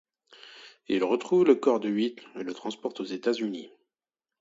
Ils retrouvent le corps de Huit et le transportent aux États-Unis.